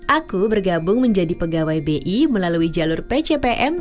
aku bergabung menjadi pegawai bi melalui jalur pcpm